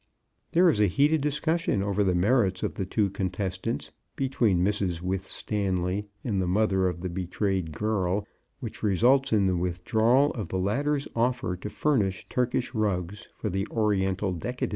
There is a heated discussion over the merits of the two contestants between Mrs. Withstanley and the mother of the betrayed girl, which results in the withdrawal of the latter's offer to furnish Turkish rugs for the Oriental Decadence scene.